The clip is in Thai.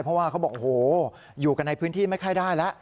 เพราะว่าเขาบอกโอ้โหอยู่กันในพื้นที่ไม่ค่อยได้แล้ว